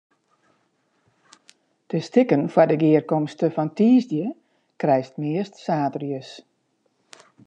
De stikken foar de gearkomste fan tiisdei krijst meast saterdeis.